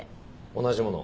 同じものを。